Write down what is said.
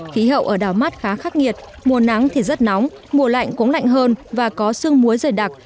khí hậu ở đảo mắt khá khắc nghiệt mùa nắng thì rất nóng mùa lạnh cũng lạnh hơn và có xương muối rời đặc